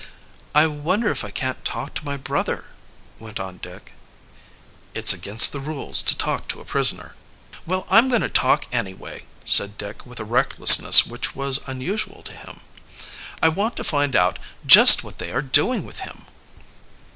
"I wonder if I can't talk to my brother?" went on Dick. "It's against the rules to talk to a prisoner." "Well, I'm going to talk anyway," said Dick with a recklessness which was unusual to him. "I want to find out just what they are doing with him."